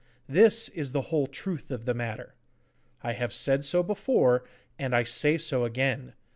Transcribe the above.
This is the whole truth of the matter. I have said so before, and I say so again.